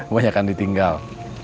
banyak yang ditinggal